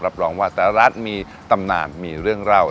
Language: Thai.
รองว่าแต่ละร้านมีตำนานมีเรื่องเล่า